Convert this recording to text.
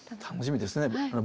楽しみですね。